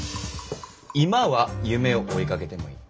今は夢を追いかけてもいい。